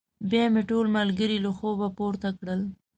بيا مې ټول ملګري له خوبه پورته کړل.